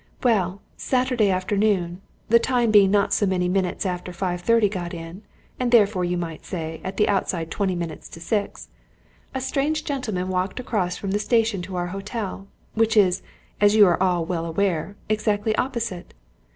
"Well Saturday afternoon, the time being not so many minutes after the 5.30 got in, and therefore you might say at the outside twenty minutes to six, a strange gentleman walked across from the station to our hotel, which is, as you're all well aware, exactly opposite.